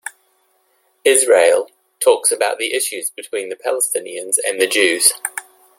"Israel" talks about the issues between the Palestinians and the Jews.